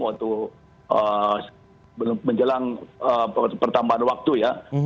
waktu menjelang pertambahan waktu ya